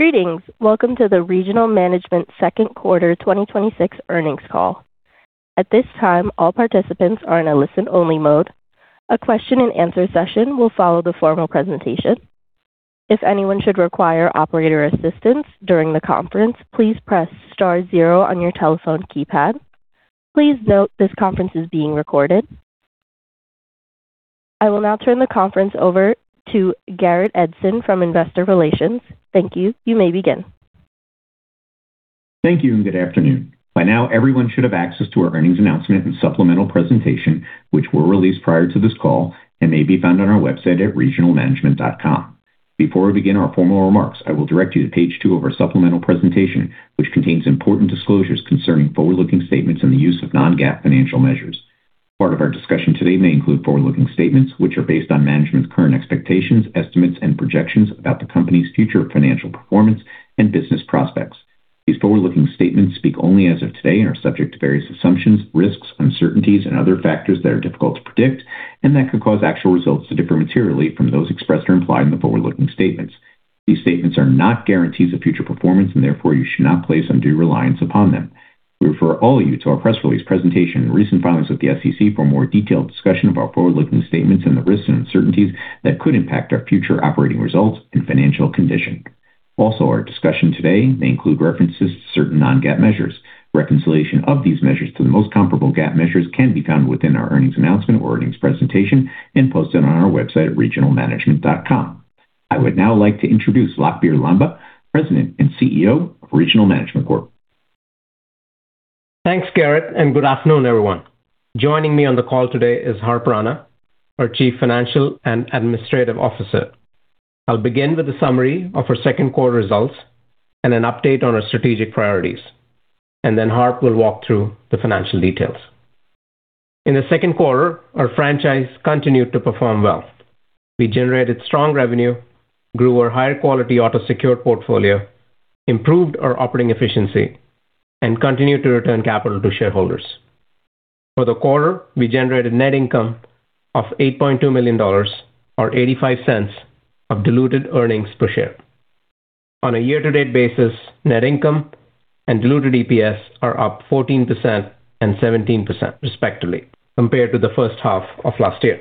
Greetings. Welcome to the Regional Management second quarter 2026 earnings call. At this time, all participants are in a listen-only mode. A question and answer session will follow the formal presentation. If anyone should require operator assistance during the conference, please press star zero on your telephone keypad. Please note this conference is being recorded. I will now turn the conference over to Garrett Edson from Investor Relations. Thank you. You may begin. Thank you. Good afternoon. By now, everyone should have access to our earnings announcement and supplemental presentation, which were released prior to this call and may be found on our website at regionalmanagement.com. Before we begin our formal remarks, I will direct you to page two of our supplemental presentation, which contains important disclosures concerning forward-looking statements and the use of non-GAAP financial measures. Part of our discussion today may include forward-looking statements, which are based on management's current expectations, estimates, and projections about the company's future financial performance and business prospects. These forward-looking statements speak only as of today and are subject to various assumptions, risks, uncertainties, and other factors that are difficult to predict and that could cause actual results to differ materially from those expressed or implied in the forward-looking statements. These statements are not guarantees of future performance. Therefore, you should not place undue reliance upon them. We refer all of you to our press release presentation and recent filings with the SEC for a more detailed discussion of our forward-looking statements and the risks and uncertainties that could impact our future operating results and financial condition. Also, our discussion today may include references to certain non-GAAP measures. Reconciliation of these measures to the most comparable GAAP measures can be found within our earnings announcement or earnings presentation and posted on our website at regionalmanagement.com. I would now like to introduce Lakhbir Lamba, President and Chief Executive Officer of Regional Management Corp. Thanks, Garrett. Good afternoon, everyone. Joining me on the call today is Harp Rana, our Chief Financial and Administrative Officer. I'll begin with a summary of our second quarter results and an update on our strategic priorities. Then Harp will walk through the financial details. In the second quarter, our franchise continued to perform well. We generated strong revenue, grew our higher-quality auto-secured portfolio, improved our operating efficiency, and continued to return capital to shareholders. For the quarter, we generated net income of $8.2 million, or $0.85 of diluted earnings per share. On a year-to-date basis, net income and diluted EPS are up 14% and 17%, respectively, compared to the first half of last year.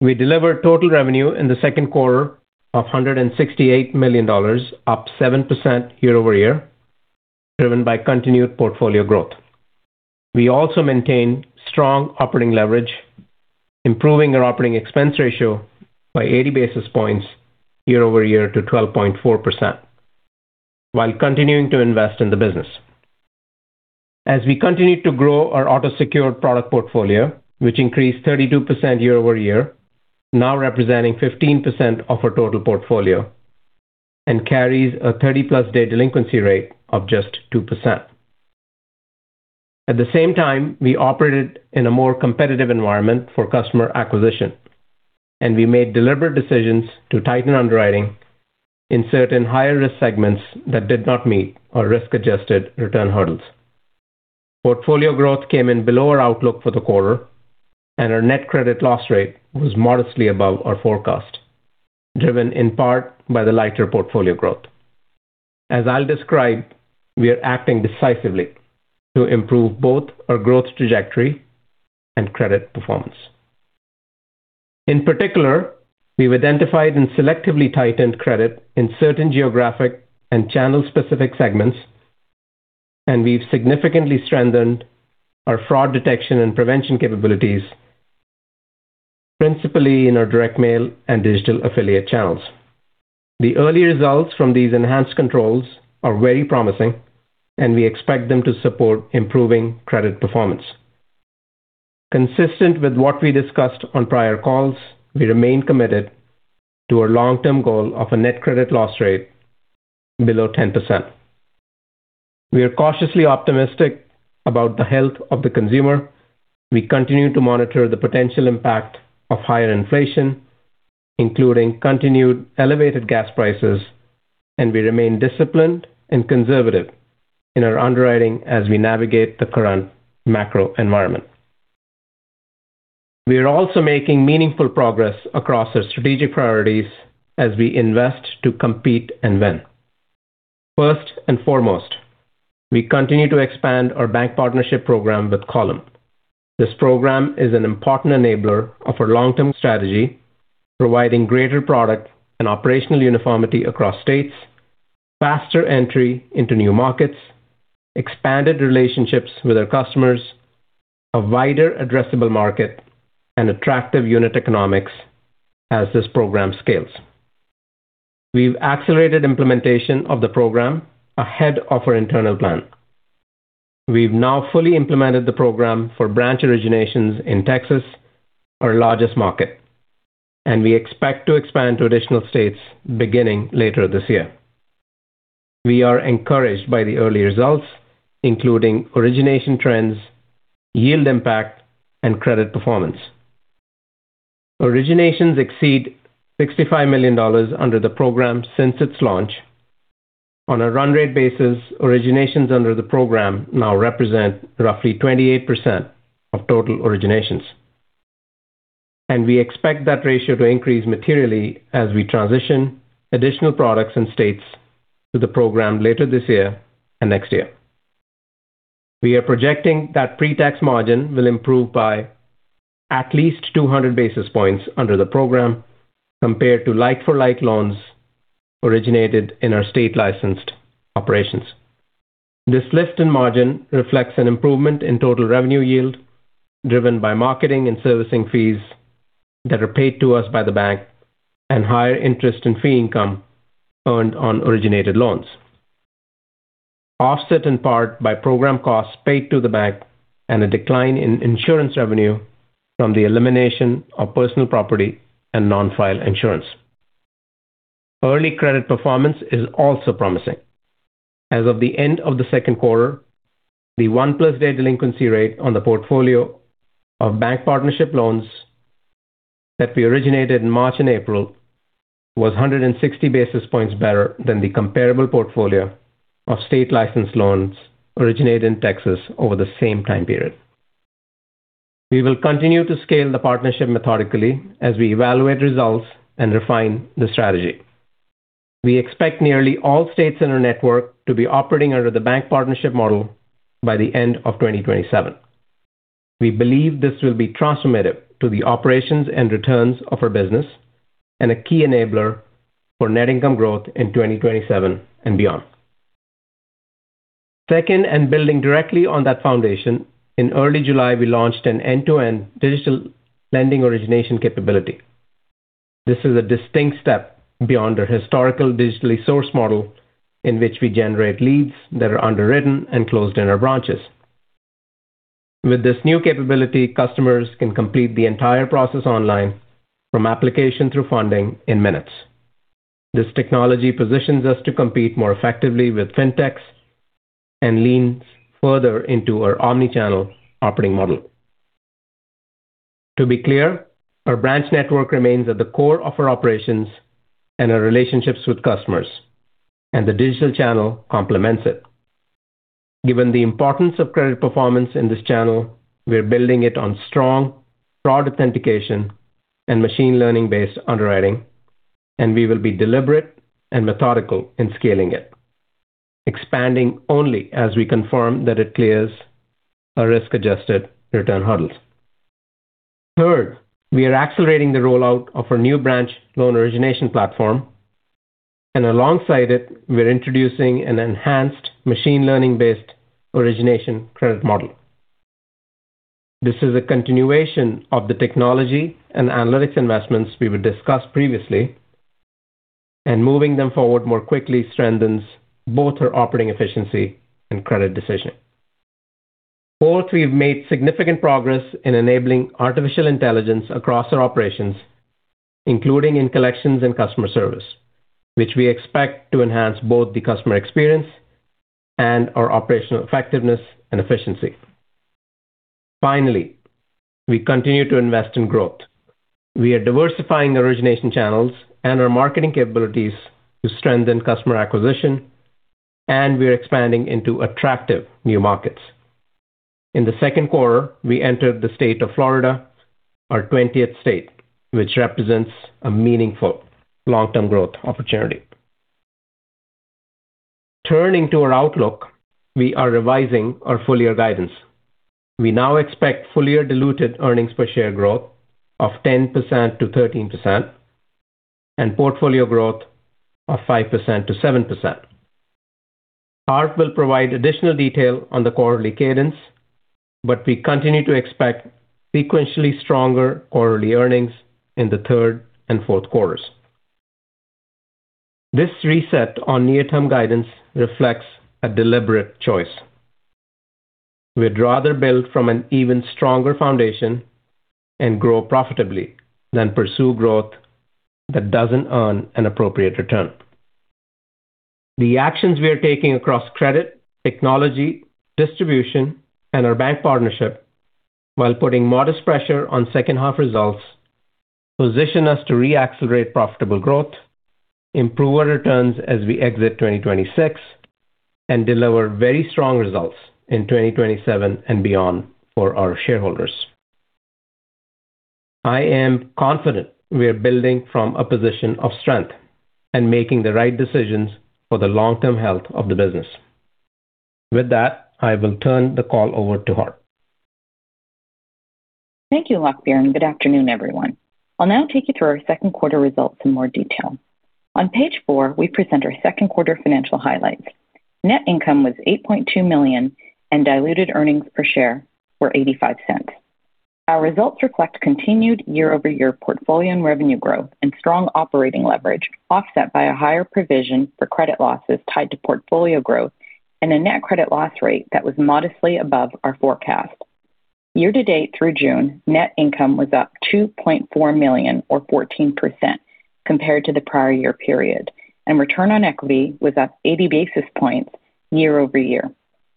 We delivered total revenue in the second quarter of $168 million, up 7% year-over-year, driven by continued portfolio growth. We also maintained strong operating leverage, improving our operating expense ratio by 80 basis points year-over-year to 12.4%, while continuing to invest in the business. As we continued to grow our auto-secured product portfolio, which increased 32% year-over-year, now representing 15% of our total portfolio and carries a 30+ day delinquency rate of just 2%. At the same time, we operated in a more competitive environment for customer acquisition, and we made deliberate decisions to tighten underwriting in certain higher-risk segments that did not meet our risk-adjusted return hurdles. Portfolio growth came in below our outlook for the quarter, and our net credit loss rate was modestly above our forecast, driven in part by the lighter portfolio growth. As I'll describe, we are acting decisively to improve both our growth trajectory and credit performance. In particular, we've identified and selectively tightened credit in certain geographic and channel-specific segments, and we've significantly strengthened our fraud detection and prevention capabilities, principally in our direct mail and digital affiliate channels. The early results from these enhanced controls are very promising, and we expect them to support improving credit performance. Consistent with what we discussed on prior calls, we remain committed to our long-term goal of a net credit loss rate below 10%. We are cautiously optimistic about the health of the consumer. We continue to monitor the potential impact of higher inflation, including continued elevated gas prices, and we remain disciplined and conservative in our underwriting as we navigate the current macro environment. We are also making meaningful progress across our strategic priorities as we invest to compete and win. First and foremost, we continue to expand our bank partnership program with Column. This program is an important enabler of our long-term strategy, providing greater product and operational uniformity across states, faster entry into new markets, expanded relationships with our customers, a wider addressable market, and attractive unit economics as this program scales. We've accelerated implementation of the program ahead of our internal plan. We've now fully implemented the program for branch originations in Texas, our largest market, and we expect to expand to additional states beginning later this year. We are encouraged by the early results, including origination trends, yield impact, and credit performance. Originations exceed $65 million under the program since its launch. On a run rate basis, originations under the program now represent roughly 28% of total originations. We expect that ratio to increase materially as we transition additional products and states to the program later this year and next year. We are projecting that pre-tax margin will improve by at least 200 basis points under the program compared to like-for-like loans originated in our state-licensed operations. This lift in margin reflects an improvement in total revenue yield driven by marketing and servicing fees that are paid to us by the bank, and higher interest in fee income earned on originated loans, offset in part by program costs paid to the bank and a decline in insurance revenue from the elimination of personal property and non-file insurance. Early credit performance is also promising. As of the end of the second quarter, the one-plus day delinquency rate on the portfolio of bank partnership loans that we originated in March and April was 160 basis points better than the comparable portfolio of state-licensed loans originated in Texas over the same time period. We will continue to scale the partnership methodically as we evaluate results and refine the strategy. We expect nearly all states in our network to be operating under the bank partnership model by the end of 2027. We believe this will be transformative to the operations and returns of our business and a key enabler for net income growth in 2027 and beyond. Second, building directly on that foundation, in early July, we launched an end-to-end digital lending origination capability. This is a distinct step beyond our historical digitally sourced model in which we generate leads that are underwritten and closed in our branches. With this new capability, customers can complete the entire process online from application through funding in minutes. This technology positions us to compete more effectively with fintechs and leans further into our omni-channel operating model. To be clear, our branch network remains at the core of our operations and our relationships with customers, and the digital channel complements it. Given the importance of credit performance in this channel, we're building it on strong fraud authentication and machine learning-based underwriting, and we will be deliberate and methodical in scaling it, expanding only as we confirm that it clears our risk-adjusted return hurdles. Third, we are accelerating the rollout of our new branch loan origination platform, and alongside it, we're introducing an enhanced machine learning-based origination credit model. This is a continuation of the technology and analytics investments we were discussed previously, and moving them forward more quickly strengthens both our operating efficiency and credit decision. Fourth, we've made significant progress in enabling artificial intelligence across our operations, including in collections and customer service, which we expect to enhance both the customer experience and our operational effectiveness and efficiency. Finally, we continue to invest in growth. We are diversifying origination channels and our marketing capabilities to strengthen customer acquisition, and we are expanding into attractive new markets. In the second quarter, we entered the state of Florida, our 20th state, which represents a meaningful long-term growth opportunity. Turning to our outlook, we are revising our full-year guidance. We now expect full-year diluted earnings per share growth of 10%-13% and portfolio growth of 5%-7%. Harp will provide additional detail on the quarterly cadence, but we continue to expect sequentially stronger quarterly earnings in the third and fourth quarters. This reset on near-term guidance reflects a deliberate choice. We'd rather build from an even stronger foundation and grow profitably than pursue growth that doesn't earn an appropriate return. The actions we are taking across credit, technology, distribution, and our bank partnership while putting modest pressure on second half results position us to re-accelerate profitable growth, improve our returns as we exit 2026, and deliver very strong results in 2027 and beyond for our shareholders. I am confident we are building from a position of strength and making the right decisions for the long-term health of the business. With that, I will turn the call over to Harp. Thank you, Lakhbir. Good afternoon, everyone. I'll now take you through our second quarter results in more detail. On page four, we present our second quarter financial highlights. Net income was $8.2 million and diluted earnings per share were $0.85. Our results reflect continued year-over-year portfolio and revenue growth and strong operating leverage offset by a higher provision for credit losses tied to portfolio growth and a net credit loss rate that was modestly above our forecast. Year to date through June, net income was up $2.4 million or 14% compared to the prior year period, and return on equity was up 80 basis points year-over-year.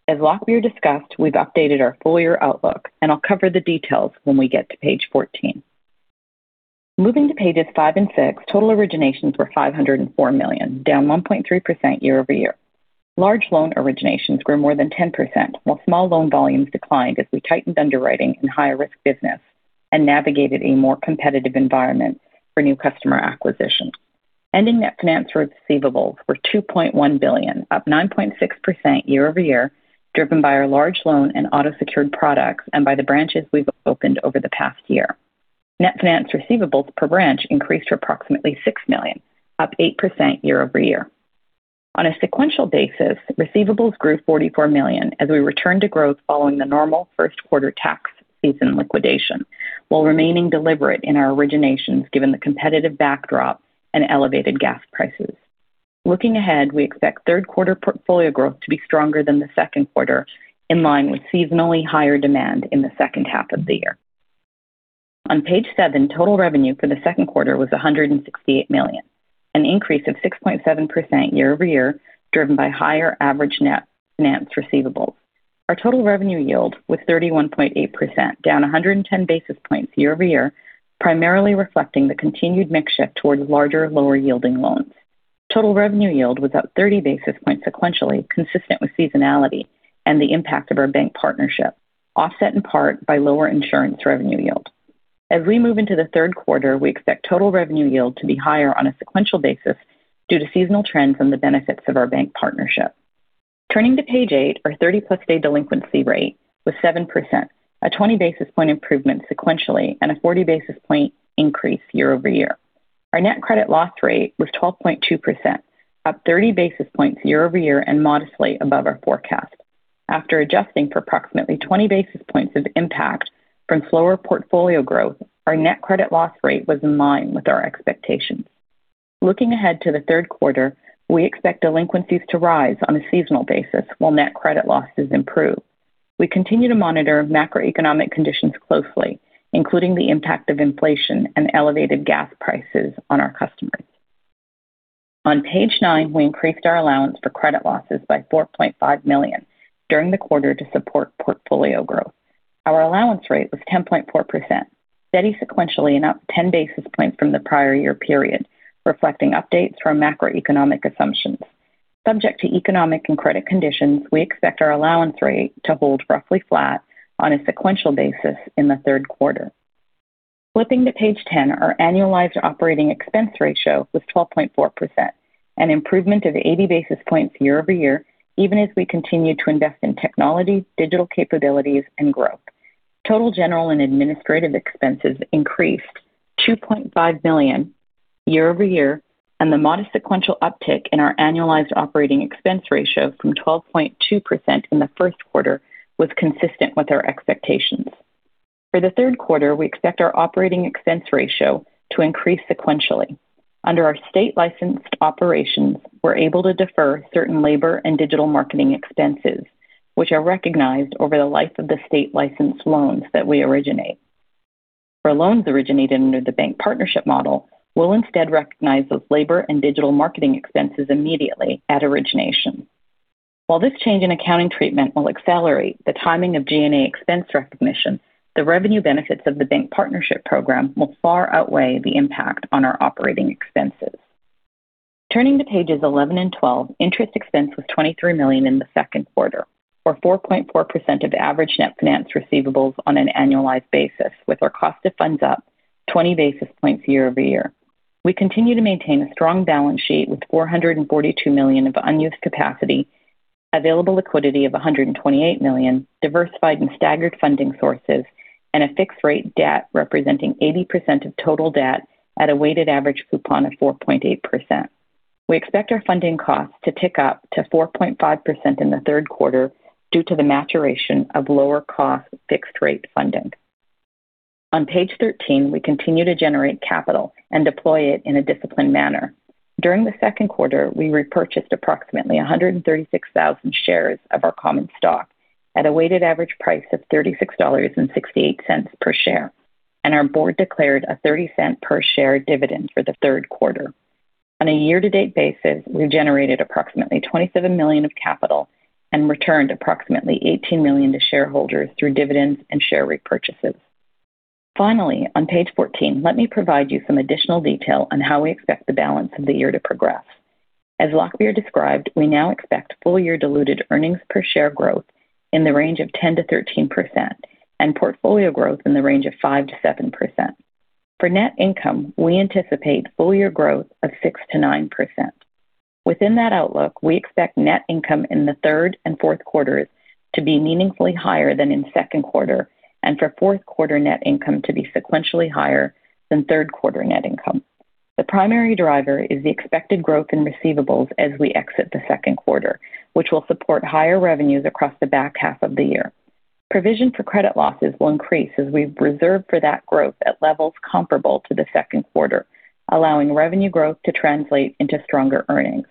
As Lakhbir discussed, we've updated our full-year outlook, and I'll cover the details when we get to page 14. Moving to pages five and six, total originations were $504 million, down 1.3% year-over-year. Large loan originations grew more than 10%, while small loan volumes declined as we tightened underwriting in higher risk business and navigated a more competitive environment for new customer acquisition. Ending net finance receivables were $2.1 billion, up 9.6% year-over-year, driven by our large loan and auto-secured products and by the branches we've opened over the past year. Net finance receivables per branch increased to approximately $6 million, up 8% year-over-year. On a sequential basis, receivables grew $44 million as we return to growth following the normal first quarter tax season liquidation, while remaining deliberate in our originations given the competitive backdrop and elevated gas prices. Looking ahead, we expect third quarter portfolio growth to be stronger than the second quarter, in line with seasonally higher demand in the second half of the year. On page seven, total revenue for the second quarter was $168 million, an increase of 6.7% year-over-year, driven by higher average net finance receivables. Our total revenue yield was 31.8%, down 110 basis points year-over-year, primarily reflecting the continued mix shift towards larger, lower yielding loans. Total revenue yield was up 30 basis points sequentially, consistent with seasonality and the impact of our bank partnership, offset in part by lower insurance revenue yield. As we move into the third quarter, we expect total revenue yield to be higher on a sequential basis due to seasonal trends and the benefits of our bank partnership. Turning to page eight, our 30-plus day delinquency rate was 7%, a 20 basis point improvement sequentially and a 40 basis point increase year-over-year. Our net credit loss rate was 12.2%, up 30 basis points year-over-year and modestly above our forecast. After adjusting for approximately 20 basis points of impact from slower portfolio growth, our net credit loss rate was in line with our expectations. Looking ahead to the third quarter, we expect delinquencies to rise on a seasonal basis, while net credit losses improve. We continue to monitor macroeconomic conditions closely, including the impact of inflation and elevated gas prices on our customers. On page nine, we increased our allowance for credit losses by $4.5 million during the quarter to support portfolio growth. Our allowance rate was 10.4%, steady sequentially and up 10 basis points from the prior year period, reflecting updates from macroeconomic assumptions. Subject to economic and credit conditions, we expect our allowance rate to hold roughly flat on a sequential basis in the third quarter. Flipping to page 10, our annualized operating expense ratio was 12.4%, an improvement of 80 basis points year-over-year even as we continue to invest in technology, digital capabilities and growth. Total general and administrative expenses increased $2.5 million year-over-year, and the modest sequential uptick in our annualized operating expense ratio from 12.2% in the first quarter was consistent with our expectations. For the third quarter, we expect our operating expense ratio to increase sequentially. Under our state-licensed operations, we're able to defer certain labor and digital marketing expenses, which are recognized over the life of the state-licensed loans that we originate. For loans originated under the bank partnership model, we'll instead recognize those labor and digital marketing expenses immediately at origination. While this change in accounting treatment will accelerate the timing of G&A expense recognition, the revenue benefits of the bank partnership program will far outweigh the impact on our operating expenses. Turning to pages 11 and 12, interest expense was $23 million in the second quarter or 4.4% of average net finance receivables on an annualized basis with our cost of funds up 20 basis points year-over-year. We continue to maintain a strong balance sheet with $442 million of unused capacity, available liquidity of $128 million diversified and staggered funding sources, and a fixed-rate debt representing 80% of total debt at a weighted average coupon of 4.8%. We expect our funding costs to tick up to 4.5% in the third quarter due to the maturation of lower cost fixed rate funding. On page 13, we continue to generate capital and deploy it in a disciplined manner. During the second quarter, we repurchased approximately 136,000 shares of our common stock at a weighted average price of $36.68 per share, and our board declared a $0.30 per share dividend for the third quarter. On a year-to-date basis, we generated approximately $27 million of capital and returned approximately $18 million to shareholders through dividends and share repurchases. Finally, on page 14, let me provide you some additional detail on how we expect the balance of the year to progress. As Lakhbir described, we now expect full year diluted earnings per share growth in the range of 10%-13% and portfolio growth in the range of 5%-7%. For net income, we anticipate full year growth of 6%-9%. Within that outlook, we expect net income in the third and fourth quarters to be meaningfully higher than in second quarter, and for fourth quarter net income to be sequentially higher than third quarter net income. The primary driver is the expected growth in receivables as we exit the second quarter, which will support higher revenues across the back half of the year. Provision for credit losses will increase as we've reserved for that growth at levels comparable to the second quarter, allowing revenue growth to translate into stronger earnings.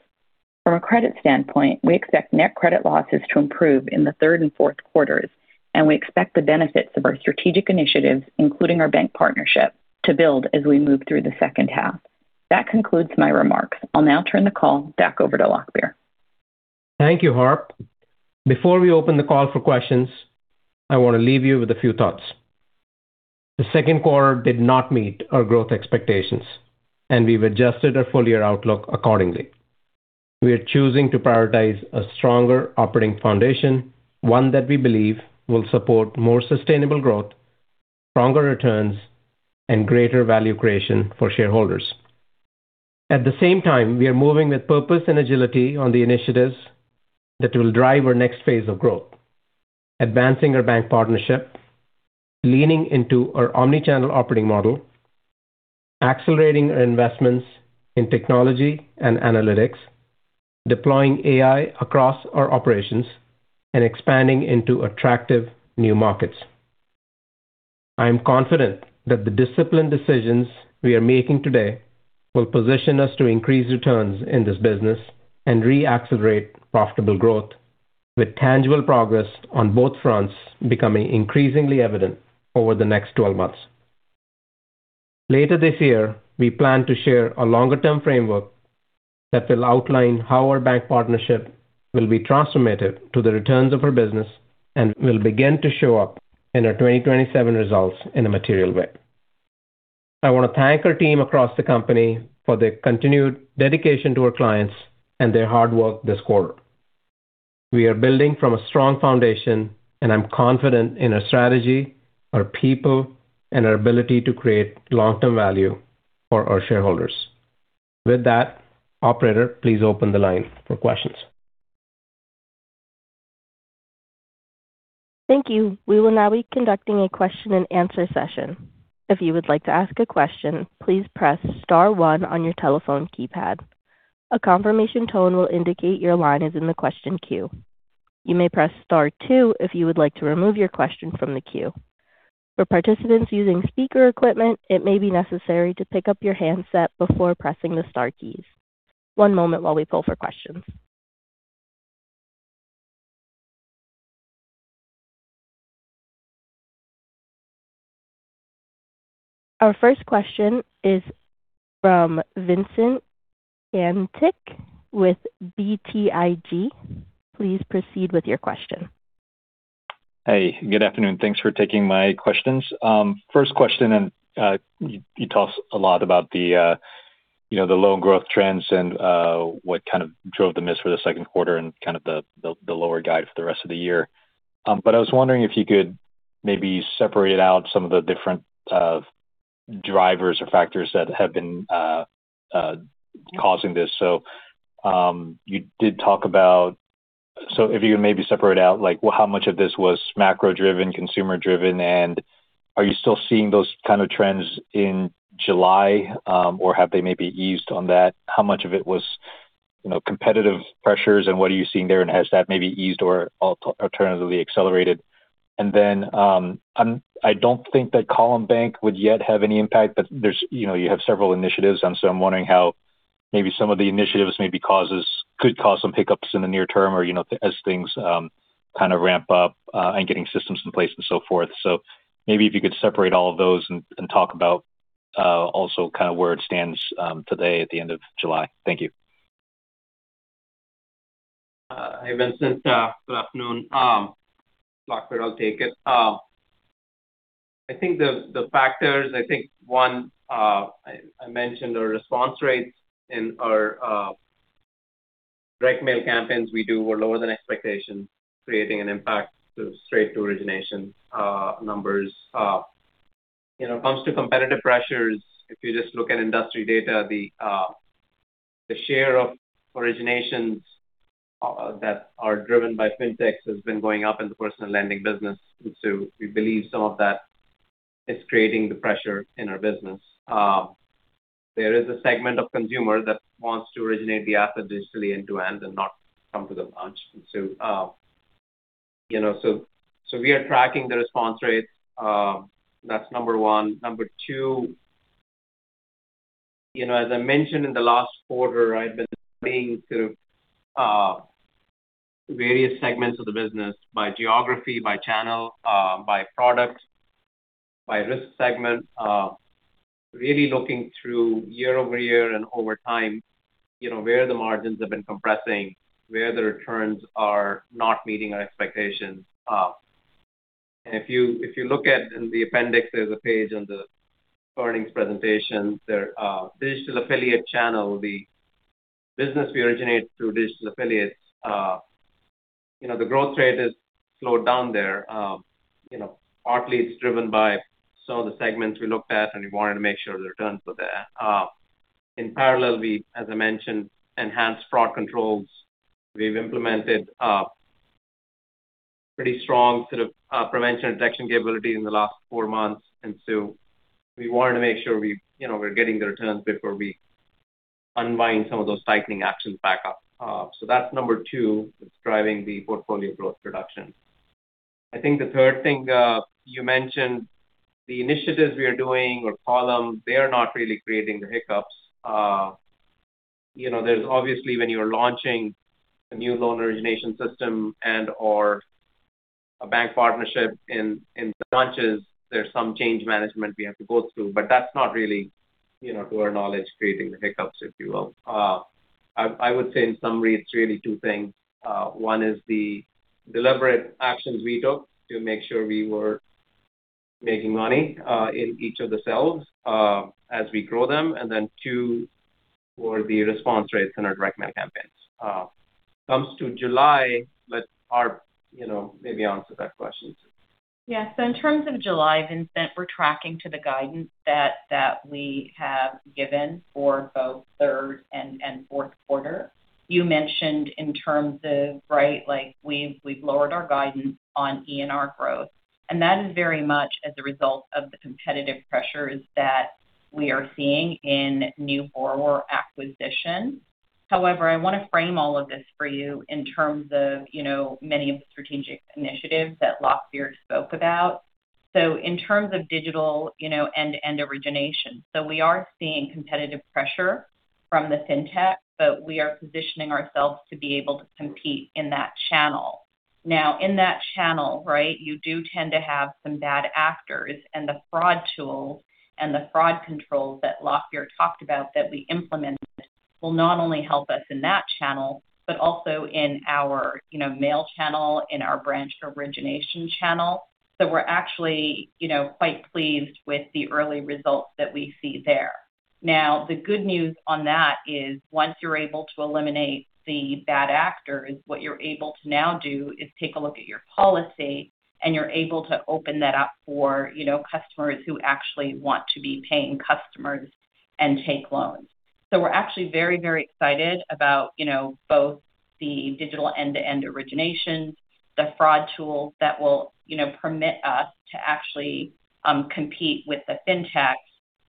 From a credit standpoint, we expect net credit losses to improve in the third and fourth quarters, and we expect the benefits of our strategic initiatives, including our bank partnership, to build as we move through the second half. That concludes my remarks. I'll now turn the call back over to Lakhbir. Thank you, Harp. Before we open the call for questions, I want to leave you with a few thoughts. The second quarter did not meet our growth expectations, and we've adjusted our full-year outlook accordingly. We are choosing to prioritize a stronger operating foundation, one that we believe will support more sustainable growth, stronger returns, and greater value creation for shareholders. At the same time, we are moving with purpose and agility on the initiatives that will drive our next phase of growth, advancing our bank partnership, leaning into our omni-channel operating model, accelerating our investments in technology and analytics, deploying AI across our operations, and expanding into attractive new markets. I am confident that the disciplined decisions we are making today will position us to increase returns in this business and re-accelerate profitable growth, with tangible progress on both fronts becoming increasingly evident over the next 12 months. Later this year, we plan to share a longer-term framework that will outline how our bank partnership will be transformative to the returns of our business and will begin to show up in our 2027 results in a material way. I want to thank our team across the company for their continued dedication to our clients and their hard work this quarter. I'm confident in our strategy, our people, and our ability to create long-term value for our shareholders. With that, operator, please open the line for questions. Thank you. We will now be conducting a question-and-answer session. If you would like to ask a question, please press star one on your telephone keypad. A confirmation tone will indicate your line is in the question queue. You may press star two if you would like to remove your question from the queue. For participants using speaker equipment, it may be necessary to pick up your handset before pressing the star keys. One moment while we pull for questions. Our first question is from Vincent Caintic with BTIG. Please proceed with your question. Hey, good afternoon. Thanks for taking my questions. First question, you talked a lot about the low growth trends and what kind of drove the miss for the second quarter and kind of the lower guide for the rest of the year. I was wondering if you could maybe separate out some of the different drivers or factors that have been causing this. If you could maybe separate out how much of this was macro-driven, consumer-driven, and are you still seeing those kind of trends in July or have they maybe eased on that? How much of it was competitive pressures and what are you seeing there? Has that maybe eased or alternatively accelerated? I don't think that Column N.A. would yet have any impact. You have several initiatives. I'm wondering how maybe some of the initiatives maybe could cause some hiccups in the near term or as things kind of ramp up and getting systems in place and so forth. Maybe if you could separate all of those and talk about also kind of where it stands today at the end of July. Thank you. Hi, Vincent. Good afternoon. Lakhbir, I'll take it. I think the factors, one I mentioned are response rates in our direct mail campaigns we do were lower than expectations, creating an impact to straight-to-origination numbers. When it comes to competitive pressures, if you just look at industry data, the share of originations that are driven by fintechs has been going up in the personal lending business. We believe some of that is creating the pressure in our business. There is a segment of consumer that wants to originate the app digitally end to end and not come to the branch. We are tracking the response rates. That's number one. Number two, as I mentioned in the last quarter, I've been looking through various segments of the business by geography, by channel, by product, by risk segment really looking through year-over-year and over time where the margins have been compressing, where the returns are not meeting our expectations. If you look at in the appendix, there's a page on the earnings presentation, the digital affiliate channel. The business we originate through digital affiliates, the growth rate has slowed down there. Partly it's driven by some of the segments we looked at. We wanted to make sure the returns were there. In parallel, we, as I mentioned, enhanced fraud controls. We've implemented pretty strong sort of prevention detection capability in the last four months. We wanted to make sure we're getting the returns before we unwind some of those tightening actions back up. That's number two that's driving the portfolio growth reduction. I think the third thing you mentioned, the initiatives we are doing or Column N.A., they are not really creating the hiccups. There's obviously when you're launching a new loan origination system and/or a bank partnership in branches, there's some change management we have to go through, but that's not really, to our knowledge, creating the hiccups, if you will. I would say in summary, it's really two things. One is the deliberate actions we took to make sure we were making money in each of the cells as we grow them, and then two, were the response rates in our direct mail campaigns. Comes to July, let Harp maybe answer that question. In terms of July, Vincent, we're tracking to the guidance that we have given for both third and fourth quarter. You mentioned in terms of we've lowered our guidance on ENR growth, and that is very much as a result of the competitive pressures that we are seeing in new borrower acquisition. However, I want to frame all of this for you in terms of many of the strategic initiatives that Lakhbir spoke about. In terms of digital end-to-end origination. We are seeing competitive pressure from the fintech, but we are positioning ourselves to be able to compete in that channel. Now, in that channel, you do tend to have some bad actors, and the fraud tools and the fraud controls that Lakhbir talked about that we implemented will not only help us in that channel, but also in our mail channel, in our branch origination channel. We're actually quite pleased with the early results that we see there. Now, the good news on that is once you're able to eliminate the bad actors, what you're able to now do is take a look at your policy, and you're able to open that up for customers who actually want to be paying customers and take loans. We're actually very excited about both the digital end-to-end originations, the fraud tools that will permit us to actually compete with the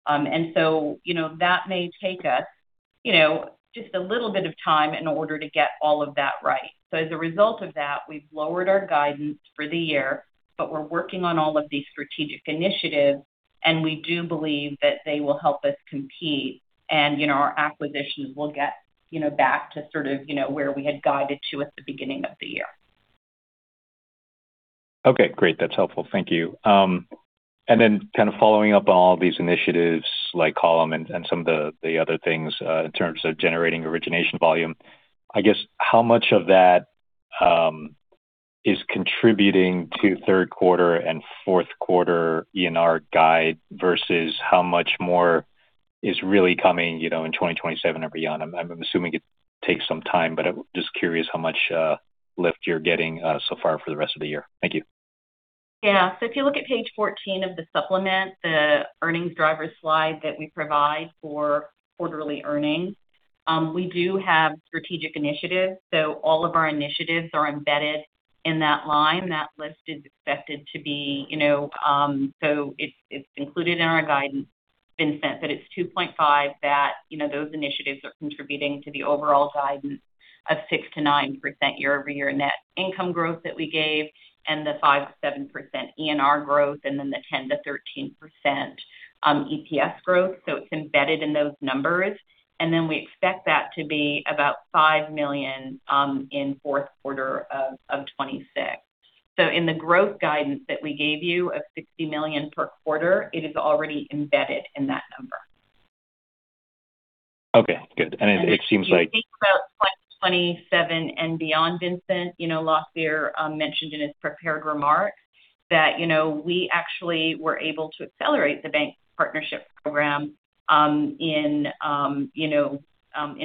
fintech. That may take us just a little bit of time in order to get all of that right. As a result of that, we've lowered our guidance for the year, but we're working on all of these strategic initiatives, and we do believe that they will help us compete, and our acquisitions will get back to sort of where we had guided to at the beginning of the year. Okay, great. That's helpful. Thank you. Kind of following up on all these initiatives like Column and some of the other things in terms of generating origination volume. I guess, how much of that is contributing to third quarter and fourth quarter ENR guide versus how much more is really coming in 2027 and beyond? I'm assuming it takes some time, but I'm just curious how much lift you're getting so far for the rest of the year. Thank you. Yeah. If you look at page 14 of the supplement, the earnings driver slide that we provide for quarterly earnings, we do have strategic initiatives. All of our initiatives are embedded in that line. That list is expected to be-- it's included in our guidance, Vincent, that it's 2.5 that those initiatives are contributing to the overall guidance of 6%-9% year-over-year net income growth that we gave and the 5%-7% ENR growth, and the 10%-13% EPS growth. It's embedded in those numbers. We expect that to be about $5 million in fourth quarter of 2026. In the growth guidance that we gave you of $60 million per quarter, it is already embedded in that number. Okay, good. If you think about 2027 and beyond, Vincent, Lakhbir mentioned in his prepared remarks that we actually were able to accelerate the Bank Partnership Program in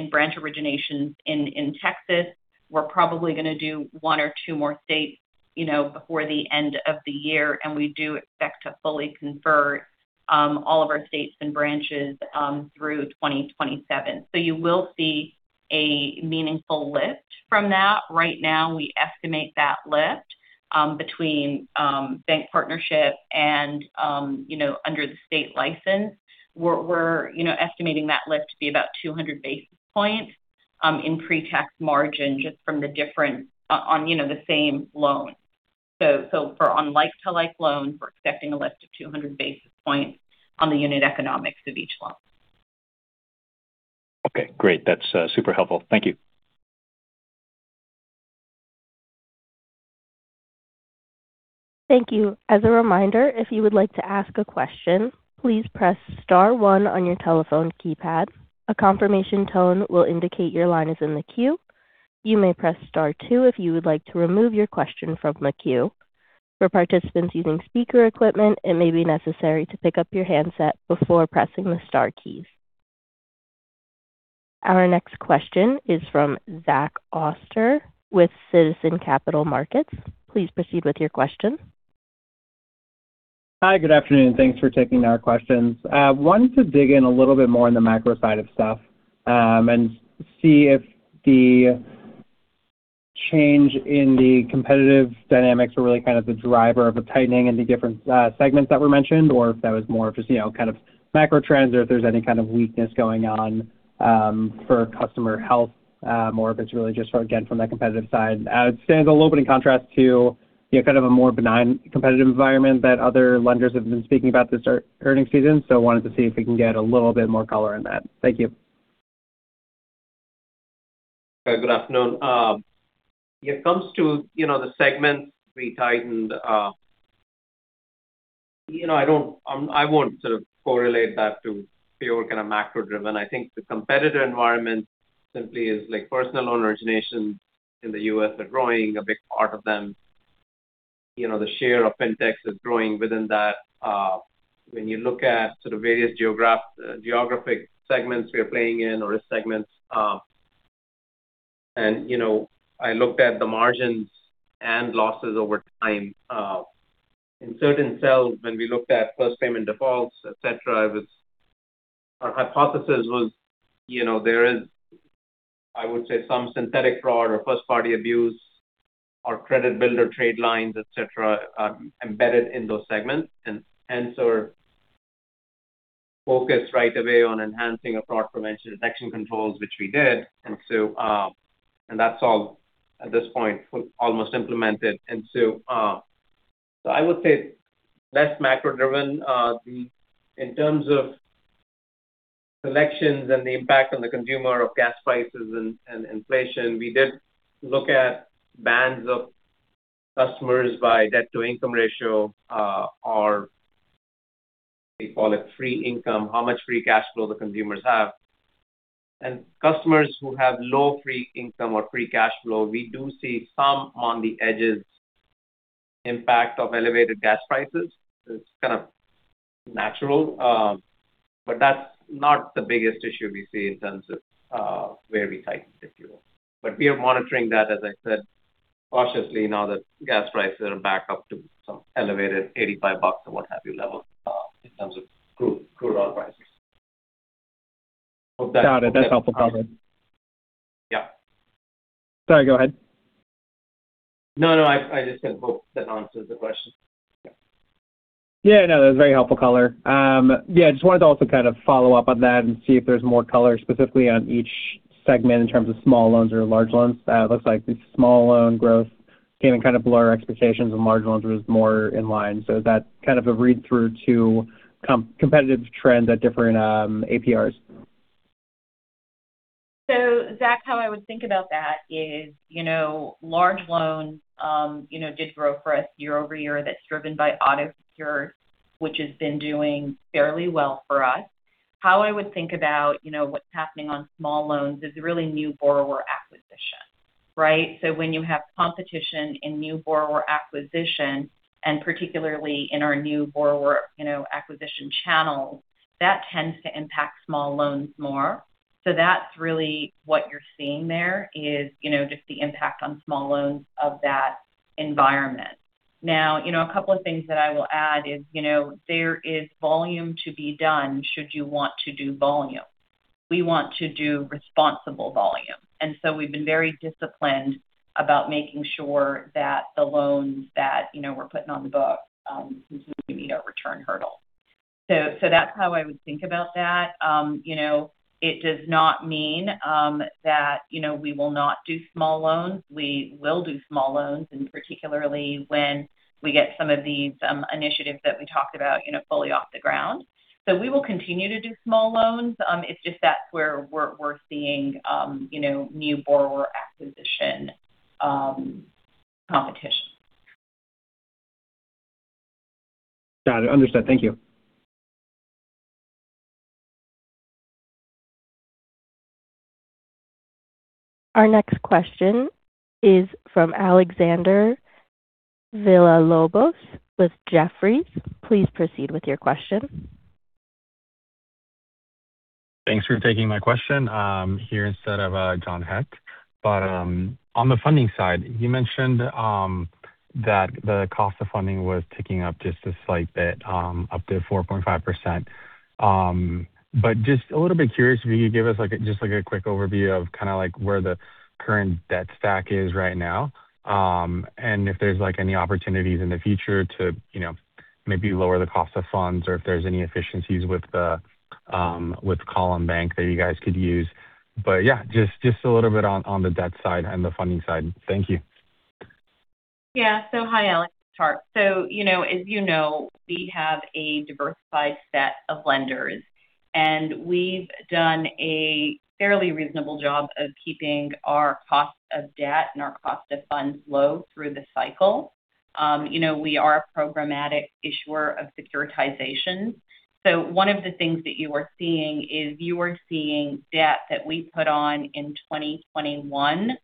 branch originations in Texas. We're probably going to do one or two more states before the end of the year, and we do expect to fully convert all of our states and branches through 2027. You will see a meaningful lift from that. Right now, we estimate that lift between Bank Partnership and under the state license. We're estimating that lift to be about 200 basis points in pre-tax margin just from the difference on the same loan. For on like-to-like loans, we're expecting a lift of 200 basis points on the unit economics of each loan. Okay, great. That's super helpful. Thank you. Thank you. As a reminder, if you would like to ask a question, please press star one on your telephone keypad. A confirmation tone will indicate your line is in the queue. You may press star two if you would like to remove your question from the queue. For participants using speaker equipment, it may be necessary to pick up your handset before pressing the star keys. Our next question is from Zach Oster with Citizens Capital Markets. Please proceed with your question. Hi, good afternoon. Thanks for taking our questions. Wanted to dig in a little bit more on the macro side of stuff, and see if the change in the competitive dynamics were really kind of the driver of a tightening in the different segments that were mentioned, or if that was more of just kind of macro trends or if there's any kind of weakness going on for customer health, or if it's really just sort of, again, from that competitive side. It stands a little bit in contrast to kind of a more benign competitive environment that other lenders have been speaking about this earnings season. I wanted to see if we can get a little bit more color on that. Thank you. Good afternoon. When it comes to the segments we tightened, I won't correlate that to pure macro-driven. I think the competitor environment simply is personal loan originations in the U.S. are growing. A big part of them, the share of fintechs is growing within that. When you look at the various geographic segments we are playing in or risk segments. I looked at the margins and losses over time. In certain cells, when we looked at first payment defaults, et cetera, our hypothesis was there is, I would say, some synthetic fraud or first-party abuse or credit builder trade lines, et cetera, embedded in those segments. Hence our focus right away on enhancing our fraud prevention detection controls, which we did. That's all at this point, almost implemented. I would say less macro-driven. In terms of collections and the impact on the consumer of gas prices and inflation, we did look at bands of customers by debt-to-income ratio, or we call it free income, how much free cash flow the consumers have. Customers who have low free income or free cash flow, we do see some on-the-edges impact of elevated gas prices. It's kind of natural. That's not the biggest issue we see in terms of where we tightened, if you will. We are monitoring that, as I said, cautiously now that gas prices are back up to some elevated $85 or what have you level in terms of crude oil prices. Got it. That's helpful coverage. Yeah. Sorry, go ahead. No, I just said hope that answers the question. Yeah. Yeah. No, that was very helpful color. Yeah, just wanted to also follow up on that and see if there's more color specifically on each segment in terms of small loans or large loans. It looks like the small loan growth came in below our expectations, and large loans was more in line. Is that a read-through to competitive trends at different APRs? Zach, how I would think about that is large loans did grow for us year-over-year. That's driven by auto-secured, which has been doing fairly well for us. How I would think about what's happening on small loans is really new borrower acquisition, right? When you have competition in new borrower acquisition, and particularly in our new borrower acquisition channels, that tends to impact small loans more. That's really what you're seeing there is just the impact on small loans of that environment. Now, a couple of things that I will add is there is volume to be done should you want to do volume. We want to do responsible volume, and so we've been very disciplined about making sure that the loans that we're putting on the book continue to meet our return hurdle. That's how I would think about that. It does not mean that we will not do small loans. We will do small loans, and particularly when we get some of these initiatives that we talked about fully off the ground. We will continue to do small loans. It's just that's where we're seeing new borrower acquisition competition. Got it. Understood. Thank you. Our next question is from Alexander Villalobos with Jefferies. Please proceed with your question. Thanks for taking my question. I'm here instead of John Hecht. On the funding side, you mentioned that the cost of funding was ticking up just a slight bit up to 4.5%. Just a little bit curious if you could give us just a quick overview of where the current debt stack is right now. If there's any opportunities in the future to maybe lower the cost of funds or if there's any efficiencies with Column Bank that you guys could use. Yeah, just a little bit on the debt side and the funding side. Thank you. Yeah. Hi, Alex. It's Harp. As you know, we have a diversified set of lenders, and we've done a fairly reasonable job of keeping our cost of debt and our cost of funds low through the cycle. We are a programmatic issuer of securitizations. One of the things that you are seeing is you are seeing debt that we put on in 2021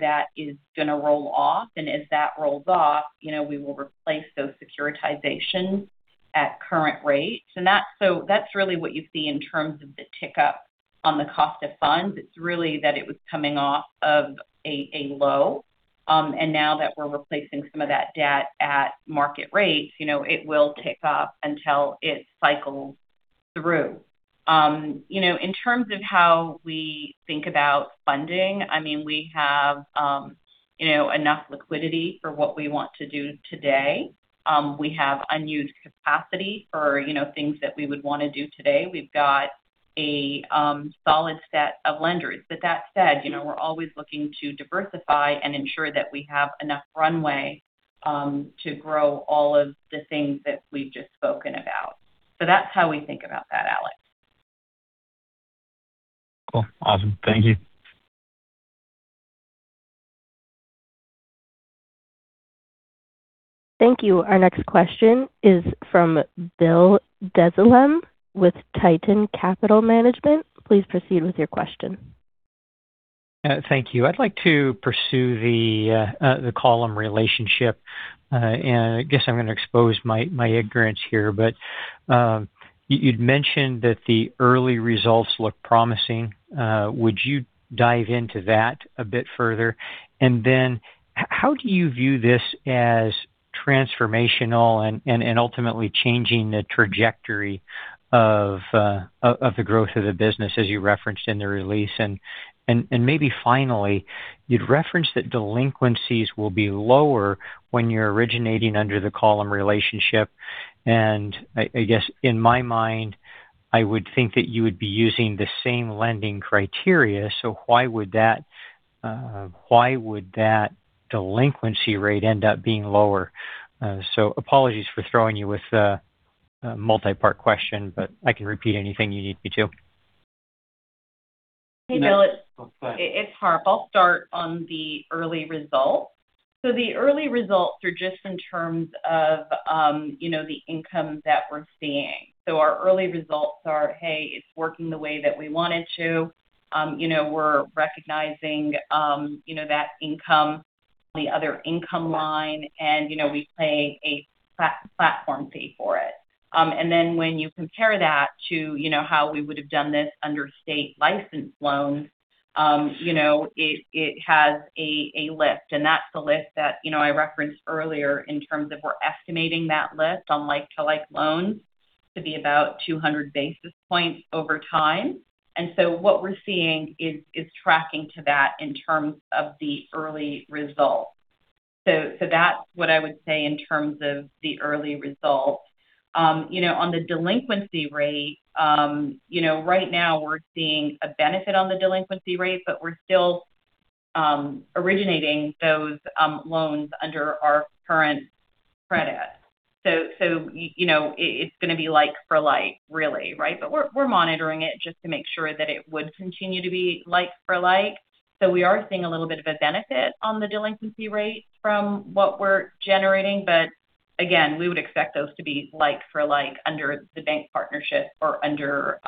that is going to roll off. As that rolls off we will replace those securitizations at current rates. That's really what you see in terms of the tick up on the cost of funds. It's really that it was coming off of a low. Now that we're replacing some of that debt at market rates, it will tick up until it cycles through. In terms of how we think about funding, we have enough liquidity for what we want to do today. We have unused capacity for things that we would want to do today. We've got a solid set of lenders. That said, we're always looking to diversify and ensure that we have enough runway to grow all of the things that we've just spoken about. That's how we think about that, Alex. Cool. Awesome. Thank you. Thank you. Our next question is from Bill Dezellem with Tieton Capital Management. Please proceed with your question. Thank you. I'd like to pursue the Column relationship. I guess I'm going to expose my ignorance here, but you'd mentioned that the early results look promising. Would you dive into that a bit further? Then how do you view this as transformational and ultimately changing the trajectory of the growth of the business as you referenced in the release? Maybe finally, you'd referenced that delinquencies will be lower when you're originating under the Column relationship, and I guess in my mind, I would think that you would be using the same lending criteria. Why would that delinquency rate end up being lower? Apologies for throwing you with a multi-part question, but I can repeat anything you need me to. Hey, Bill, it's Harp. I'll start on the early results. The early results are just in terms of the income that we're seeing. Our early results are, hey, it's working the way that we want it to. We're recognizing that income, the other income line, and we pay a platform fee for it. Then when you compare that to how we would have done this under state license loans, it has a lift, and that's the lift that I referenced earlier in terms of we're estimating that lift on like-to-like loans to be about 200 basis points over time. What we're seeing is tracking to that in terms of the early results. That's what I would say in terms of the early results. On the delinquency rate, right now we're seeing a benefit on the delinquency rate, but we're still originating those loans under our current credit. It's going to be like for like, really. We're monitoring it just to make sure that it would continue to be like for like. We are seeing a little bit of a benefit on the delinquency rate from what we're generating. Again, we would expect those to be like for like under the bank partnership or under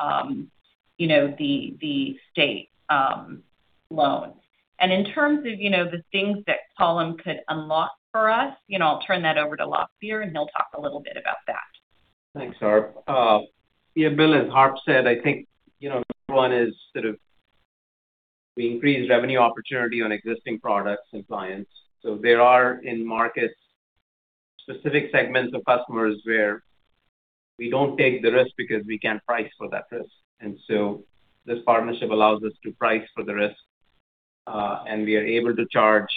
the state loans. In terms of the things that Column could unlock for us, I'll turn that over to Lakhbir, and he'll talk a little bit about that. Thanks, Harp. Yeah, Bill, as Harp said, I think number one is sort of the increased revenue opportunity on existing products and clients. There are in-market specific segments of customers where we don't take the risk because we can't price for that risk. This partnership allows us to price for the risk, and we are able to charge,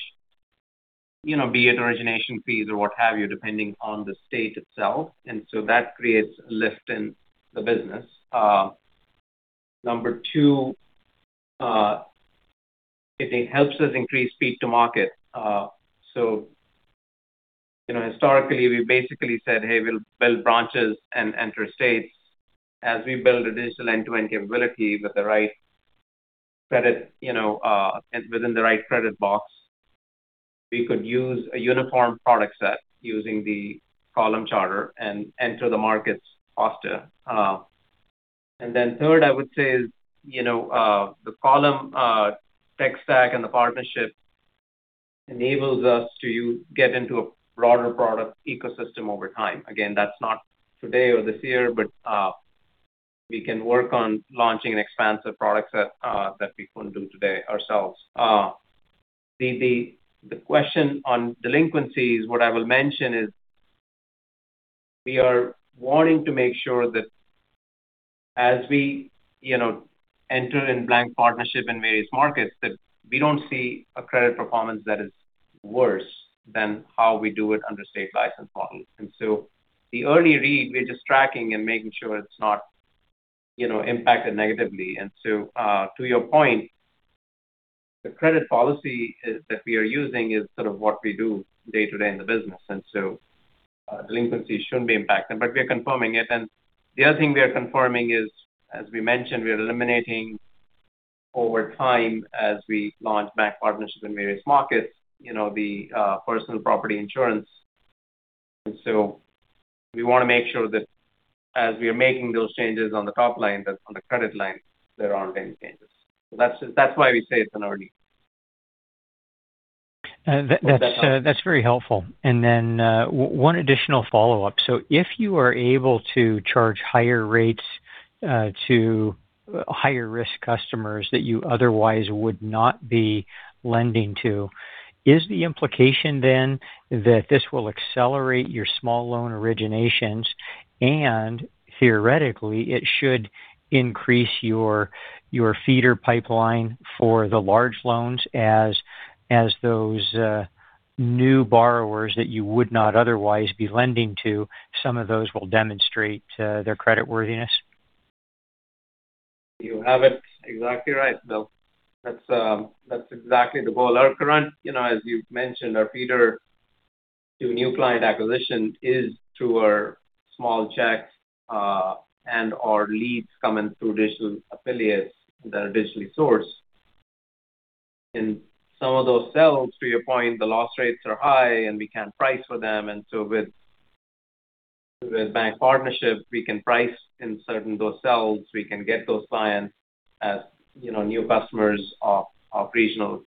be it origination fees or what have you, depending on the state itself. That creates a lift in the business. Number two, it helps us increase speed to market. Historically, we basically said, hey, we'll build branches and enter states as we build additional end-to-end capability within the right credit box. We could use a uniform product set using the Column charter and enter the markets faster. Then third, I would say is the Column tech stack and the partnership enables us to get into a broader product ecosystem over time. Again, that's not today or this year, but we can work on launching an expansive product set that we couldn't do today ourselves. The question on delinquencies, what I will mention is we are wanting to make sure that as we enter in bank partnership in various markets, that we don't see a credit performance that is worse than how we do it under state license models. The early read, we're just tracking and making sure it's not impacted negatively. To your point, the credit policy that we are using is sort of what we do day-to-day in the business. Delinquencies shouldn't be impacted, but we are confirming it. The other thing we are confirming is, as we mentioned, we are eliminating over time as we launch bank partnerships in various markets, the personal property insurance. We want to make sure that as we are making those changes on the top line, that on the credit line, there aren't any changes. That's why we say it's an early read. That's very helpful. One additional follow-up. If you are able to charge higher rates to higher-risk customers that you otherwise would not be lending to, is the implication then that this will accelerate your small loan originations and theoretically, it should increase your feeder pipeline for the large loans as those new borrowers that you would not otherwise be lending to, some of those will demonstrate their creditworthiness? You have it exactly right, Bill. That's exactly the goal. Our current, as you've mentioned, our feeder to new client acquisition is through our small checks and our leads coming through digital affiliates that are digitally sourced. In some of those cells, to your point, the loss rates are high and we can't price for them. With bank partnerships, we can price in certain of those cells. We can get those clients as new customers of Regional,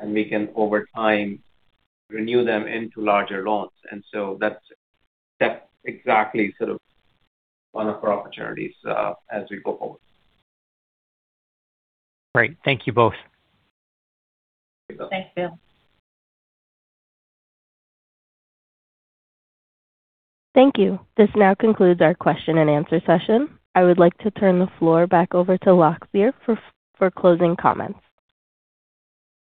and we can, over time, renew them into larger loans. That's exactly one of our opportunities as we go forward. Great. Thank you both. Thanks, Bill. Thank you. This now concludes our question-and-answer session. I would like to turn the floor back over to Lakhbir for closing comments.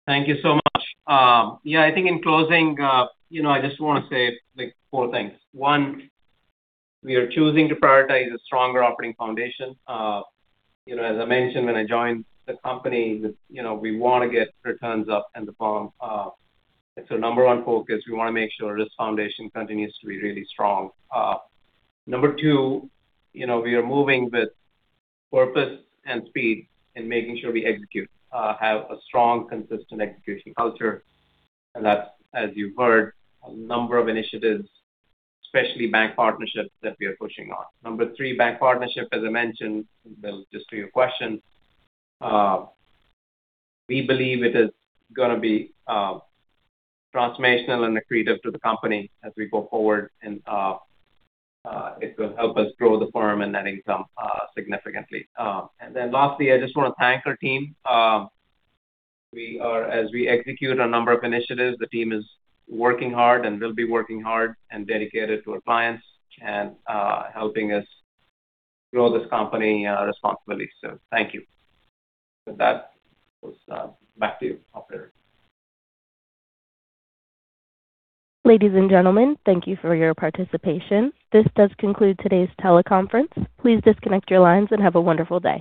Thank you so much. Yeah, I think in closing, I just want to say four things. One, we are choosing to prioritize a stronger operating foundation. As I mentioned when I joined the company, we want to get returns up in the firm. It's our number one focus. We want to make sure this foundation continues to be really strong. Number two, we are moving with purpose and speed in making sure we have a strong, consistent execution culture. That's, as you've heard, a number of initiatives, especially bank partnerships, that we are pushing on. Number three, bank partnership, as I mentioned, Bill, just to your question, we believe it is going to be transformational and accretive to the company as we go forward, and it will help us grow the firm and net income significantly. Lastly, I just want to thank our team. As we execute a number of initiatives, the team is working hard and will be working hard and dedicated to our clients and helping us grow this company responsibly. Thank you. With that, back to you, operator. Ladies and gentlemen, thank you for your participation. This does conclude today's teleconference. Please disconnect your lines and have a wonderful day.